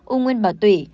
u nguyên bào tủy